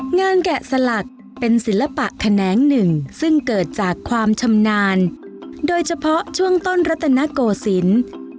แกะสลักเป็นศิลปะแขนงหนึ่งซึ่งเกิดจากความชำนาญโดยเฉพาะช่วงต้นรัตนโกศิลป์